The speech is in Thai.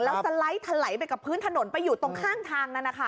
แล้วสไลด์ถลายไปกับพื้นถนนไปอยู่ตรงข้างทางนั้นนะคะ